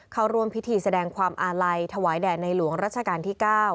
เข้าร่วมพิธีแสดงความอาลัยถวายแด่ในหลวงรัชกาลที่๙